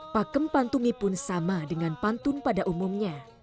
pakem pantungi pun sama dengan pantun pada umumnya